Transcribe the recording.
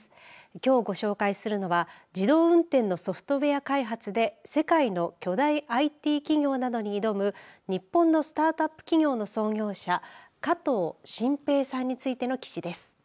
きょうご紹介するのは自動運転のソフトウエア開発で世界の巨大ＩＴ企業などに挑む日本のスタートアップ企業の創業者加藤真平さんについての記事です。